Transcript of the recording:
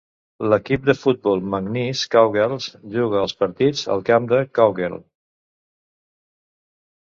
L'equip de futbol McNeese Cowgirls juga els partits al camp de Cowgirl.